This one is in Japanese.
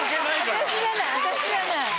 私じゃない私じゃない。